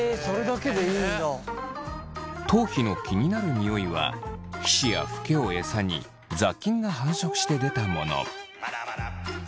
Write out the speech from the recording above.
頭皮の気になるニオイは皮脂やフケを餌に雑菌が繁殖して出たもの。